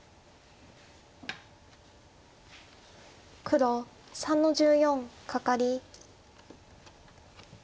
黒３の十四カカリ。